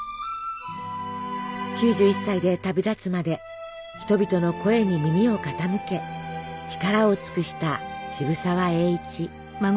９１歳で旅立つまで人々の声に耳を傾け力を尽くした渋沢栄一。